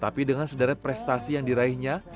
tapi dengan sederet prestasi yang diraihnya